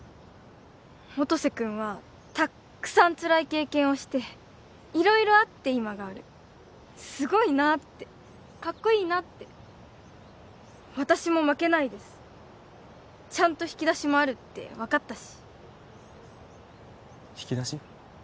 音瀬君はたっくさんつらい経験をして色々あって今があるすごいなってカッコいいなって私も負けないですちゃんと引き出しもあるって分かったし引き出し？